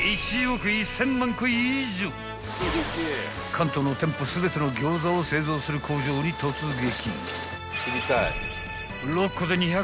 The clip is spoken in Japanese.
［関東の店舗全ての餃子を製造する工場に突撃］